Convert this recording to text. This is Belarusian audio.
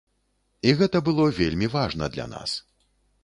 І гэта было вельмі важна для нас.